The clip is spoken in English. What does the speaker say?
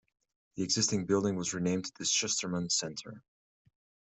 The existing building was renamed the "Schusterman Center".